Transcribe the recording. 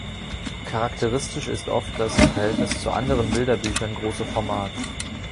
Charakteristisch ist oft das im Verhältnis zu anderen Bilderbüchern große Format.